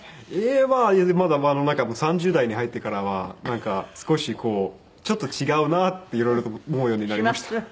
いえまあ３０代に入ってからはなんか少しこうちょっと違うなって色々と思うようになりました。